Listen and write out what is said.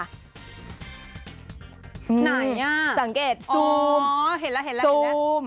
ไหนอ่ะอ๋อเห็นแล้วซูมซูมเออสังเกต